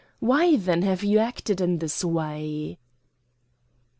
Why, then, have you acted in this way?"